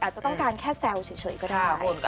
อาจจะต้องการแค่แซวเฉยก็ได้